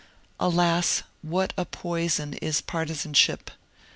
Alas, what a poison is partisanship!